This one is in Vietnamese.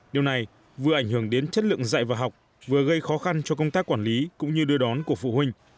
điều này vừa ảnh hưởng đến chất lượng dạy và học vừa gây khó khăn cho công tác quản lý cũng như đưa đón của phụ huynh